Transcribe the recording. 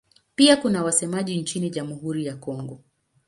Pia kuna wasemaji nchini Jamhuri ya Kongo.